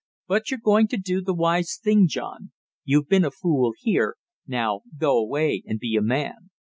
But you're going to do the wise thing, John; you've been a fool here, now go away and be a man!